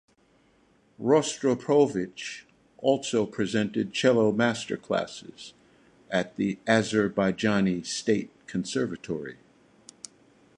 Rostropovich also presented cello master classes at the Azerbaijan State Conservatory.